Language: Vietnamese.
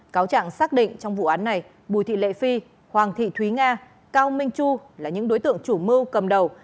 cáo trạng xác định trong vụ án này bùi thị lệ phi hoàng thị thúy nga cao minh chu là những đối tượng chủ mưu cầm đầu